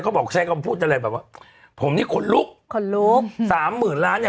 บอกใช้คำพูดอะไรแบบว่าผมนี่ขนลุกขนลุกสามหมื่นล้านเนี้ย